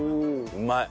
うまい！